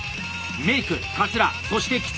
メイクかつらそして着付。